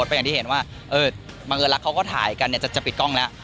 เพราะอย่างที่เห็นว่าบางเวลาเขาก็ถ่ายกันจะปิดกล้องแล้ว